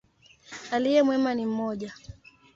Aliye mwema ni mmoja.